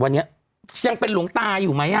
วันนี้ยังเป็นหลวงตาอยู่ไหม